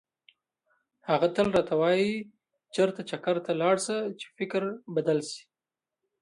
هغه تل راته وایي چېرته چکر ته لاړ شه چې فکر بدل شي.